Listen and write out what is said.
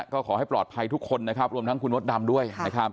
ก็ขอให้ปลอดภัยทุกคนรวมทั้งคุณมดดำด้วย